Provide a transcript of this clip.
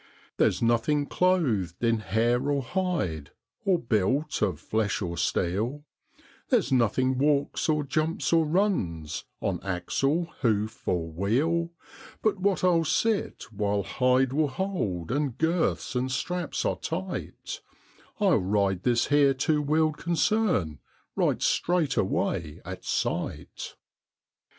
There's nothing clothed in hair or hide, or built of flesh or steel, There's nothing walks or jumps, or runs, on axle, hoof, or wheel, But what I'll sit, while hide will hold and girths and straps are tight: I'll ride this here two wheeled concern right straight away at sight.'